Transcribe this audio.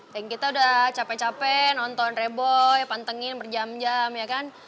dan kita udah capek capek nonton reboy pantengin berjam jam ya kan